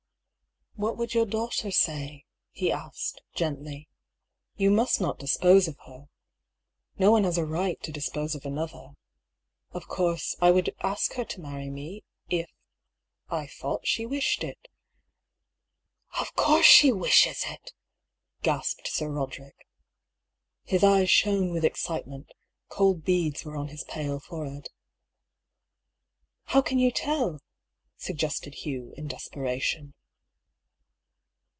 " What would your daughter say ?'* he asked, gently. " You must not dispose of her. No one has a right to dispose of another. Of course, I would ask her to marry me, if I thought she wished it." " Of course she wishes it !" gasped Sir Roderick. His eyes shone with excitement ; cold beads were on his pale forehead. " How can you tell ?" suggested Hugh, in despera tion.